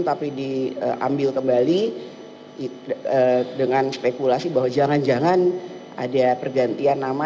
tapi diambil kembali dengan spekulasi bahwa jangan jangan ada pergantian nama